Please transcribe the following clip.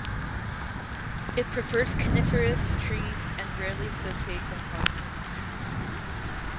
It prefers coniferous trees and rarely associates on hardwoods.